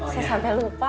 saya sampai lupa